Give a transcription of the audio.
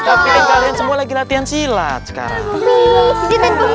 tapi kan kalian semua lagi latihan silat sekarang